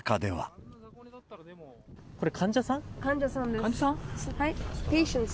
これ、患者さんです。